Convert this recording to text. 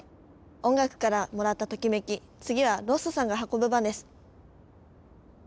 音楽からもらったトキメキ次はロッソさんが運ぶ番です。